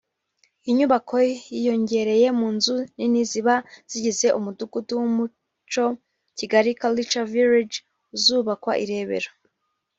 Iyi nyubako yiyongereye mu nzu nini zizaba zigize umudugudu w’umuco ‘Kigali Cultural Village’ uzubakwa i Rebero